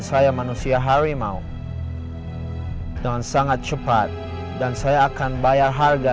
saya manusia harimau dengan sangat cepat dan saya akan bayar harga